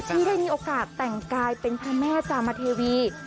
ที่ได้มีโอกาสแต่งกายเป็นพระแม่จามเทวี